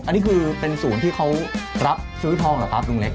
อันนี้คือเป็นศูนย์ที่เขารับซื้อทองเหรอครับลุงเล็ก